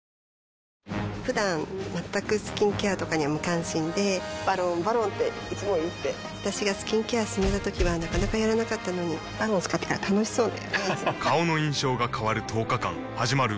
ふだん全くスキンケアとかに無関心で「ＶＡＲＯＮ」「ＶＡＲＯＮ」っていつも言って私がスキンケア勧めたときはなかなかやらなかったのに「ＶＡＲＯＮ」使ってから楽しそうだよね